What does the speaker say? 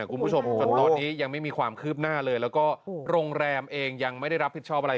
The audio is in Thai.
คุณผู้ชมจนตอนนี้ยังไม่มีความคืบหน้าเลยแล้วก็โรงแรมเองยังไม่ได้รับผิดชอบอะไร